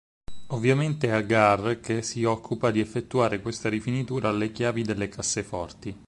Ovviamente è Agar che si occupa di effettuare questa rifinitura alle chiavi delle casseforti.